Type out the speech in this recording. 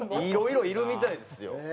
いろいろいるみたいですよ。